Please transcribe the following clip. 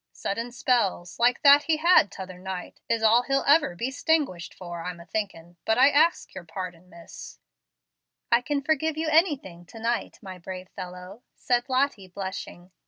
Sudden spells, like that he had t'other night, is all he'll ever be 'stinguished for, I'm a thinking. But I ax your pardon, miss." "I can forgive you anything to night, my brave fellow," said Lottie, blushing.